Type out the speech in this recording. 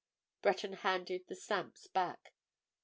Breton handed the stamps back.